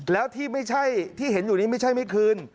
แล้วที่เห็นอยู่นี้ไม่ใช่ไม่คืน